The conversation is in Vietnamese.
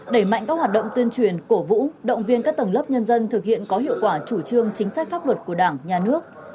đẩy mạnh các hoạt động tuyên truyền cổ vũ động viên các tầng lớp nhân dân thực hiện có hiệu quả chủ trương chính sách pháp luật của đảng nhà nước